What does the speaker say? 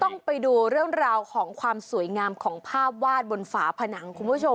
ต้องไปดูเรื่องราวของความสวยงามของภาพวาดบนฝาผนังคุณผู้ชม